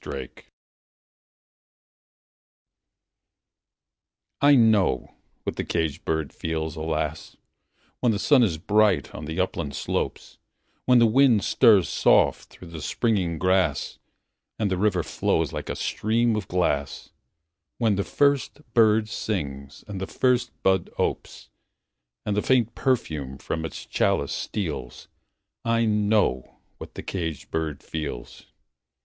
SYMPATHY I know what the caged bird feels, alas! When the sun is bright on the upland slopes; When the wind stirs soft through the springing grass, And the river flows like a stream of glass; When the first bird sings and the first bud opes, And the faint perfume from its chalice steals I know what the caged bird feels!